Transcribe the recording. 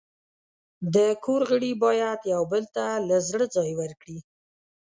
د کور غړي باید یو بل ته له زړه ځای ورکړي.